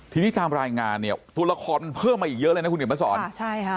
ที่นี่ทำรายงานเนี้ยโทรคอนเพิ่มมาอีกเยอะเลยนะ